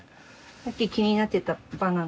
さっき気になってたバナナ。